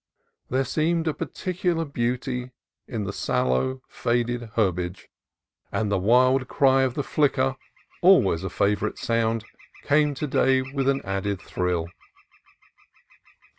There seemed a peculiar beauty in the sal low, faded herbage, and the wild cry of the flicker, al ways a favorite sound, came to day with an added thrill.